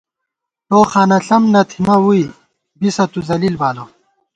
ٹوخانہ ݪم نہ تھنہ ووئی بِسہ تُو ذلیل بالہ